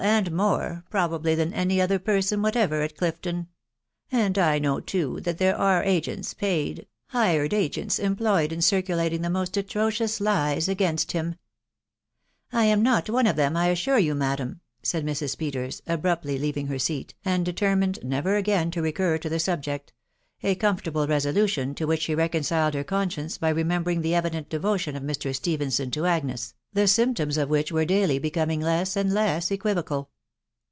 and more, pro bably, than any other person whatever at Clifton ;.... and I know, too, that there are agents— paid, hired agents — employed in circulating the most atrocious lies against him/* "lam not one of them, I assure you, madam," said Mrs. Peters, abruptly leaving her seat,, and determined never again to recur to the subject; a comfortable resolution, to which she reconciled her conscience by remembering the evident devotion of Mr. Stephenson to Agnes, the symptoms of which were daily becoming less and less equivocal.